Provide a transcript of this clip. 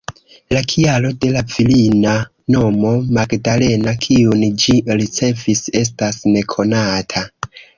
La kialo de la virina nomo, ""Magdalena"", kiun ĝi ricevis, estas nekonata.